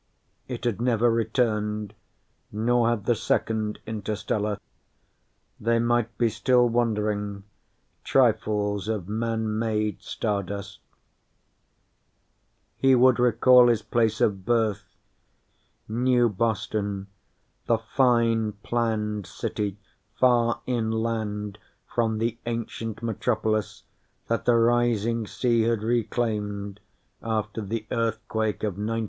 (It had never returned, nor had the Second Interstellar. They might be still wandering, trifles of Man made Stardust.) He would recall his place of birth, New Boston, the fine, planned city far inland from the ancient metropolis that the rising sea had reclaimed after the earthquake of 1994.